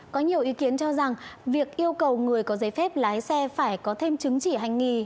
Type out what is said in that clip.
có nhiều ý kiến cho rằng việc yêu cầu người có giấy phép lái xe phải có thêm chứng chỉ hành nghề